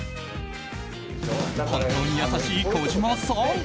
本当に優しい児嶋さん。